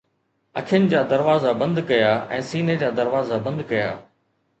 اکين جا دروازا بند ڪيا ۽ سيني جا دروازا بند ڪيا